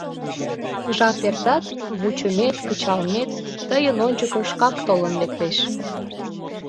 Жап эртат — вучымет, кычалмет тыйын ончыко шкак толын лектеш!.